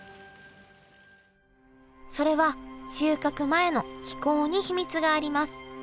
それは収穫前の気候に秘密があります。